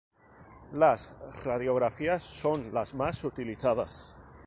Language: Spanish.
Las radiografías son las más utilizadas.